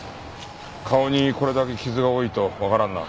顔にこれだけ傷が多いとわからんな。